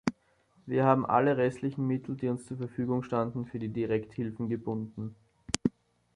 Wir haben alle restlichen Mittel, die uns zur Verfügung standen, für die Direkthilfen gebunden.